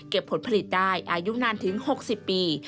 ผลผลิตได้อายุนานถึง๖๐ปี